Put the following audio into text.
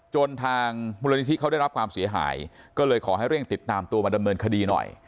จนทางมูลนิธิเขาได้รับความเสียหายก็เลยขอให้เร่งติดตามตัวมาดำเนินคดีหน่อย